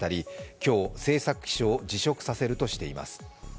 今日、政策秘書を辞職させるとしています。